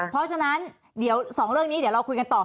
เพราะฉะนั้นเดี๋ยว๒เรื่องนี้เดี๋ยวเราคุยกันต่อ